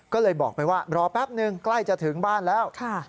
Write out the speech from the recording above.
ก็เลยบอกไปว่ารอแป๊บนึงใกล้จะถึงบ้านแล้ว